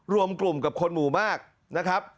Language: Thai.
รวมกลุ่มกับคนหมู่มากนะครับ